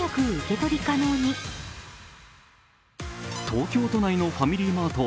東京都内のファミリーマート